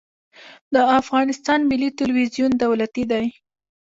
د افغانستان ملي تلویزیون دولتي دی